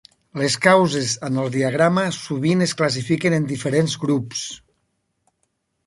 Les causes en el diagrama sovint es classifiquen en diferents grups.